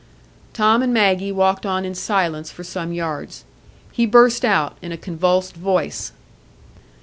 Tom and Maggie walked on in silence for some yards. He burst out, in a convulsed voice.